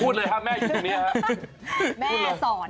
พูดเลยครับแม่อยู่ตรงนี้ครับ